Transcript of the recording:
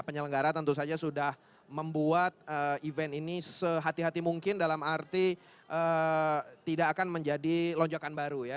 penyelenggara tentu saja sudah membuat event ini sehati hati mungkin dalam arti tidak akan menjadi lonjakan baru ya